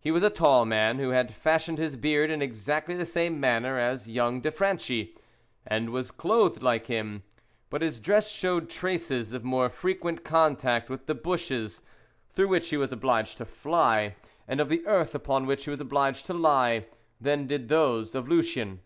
He was a tall man, who had fashioned his beard in exactly the same manner as young de Franchi, and was clothed like him; but his dress showed traces of more frequent contact with the bushes through which he was obliged to fly, and of the earth upon which he was obliged to lie, than did those of Lucien.